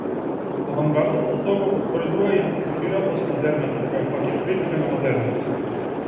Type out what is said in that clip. Авангардата тоа го потврдува и ја антиципира постмодерната која, пак, е критика на модерната.